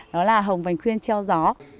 đó là hồng vành khuyên treo gió